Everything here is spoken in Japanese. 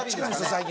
最近。